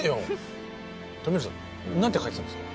富治さん何て書いてたんですか？